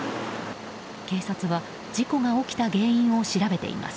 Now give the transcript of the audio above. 警察は事故が起きた原因を調べています。